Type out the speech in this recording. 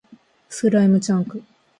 スライムチャンク